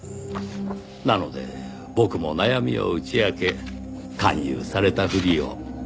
なので僕も悩みを打ち明け勧誘されたふりを。